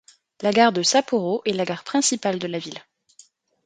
La gare de Sapporo est la gare principale de la ville.